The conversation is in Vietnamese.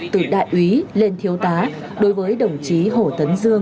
từ đại úy lên thiếu tá đối với đồng chí hồ tấn dương